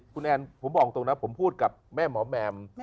คุณแอนผมบอกตรงนะผมพูดกับแม่หมอแมม